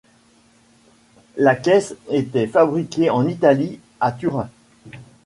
La caisse était fabriquée en Italie, à Turin.